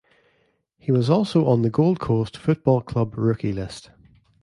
He was also on the Gold Coast Football Club rookie list.